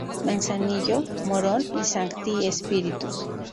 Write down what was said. Manzanillo, Morón y Sancti Spíritus.